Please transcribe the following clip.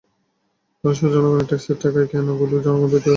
তারা শুধু জনগণের ট্যাক্সের টাকায় কেনা গুলি জনগণের বিরুদ্ধেই ব্যবহার করছে।